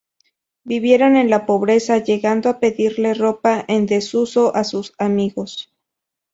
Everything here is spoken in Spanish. Vivieron en la pobreza; llegando a pedirle ropa en desuso a sus amigos.